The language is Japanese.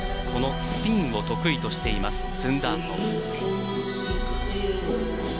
このスピンを得意としています。